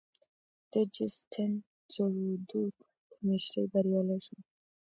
د جسټین ترودو په مشرۍ بریالی شو.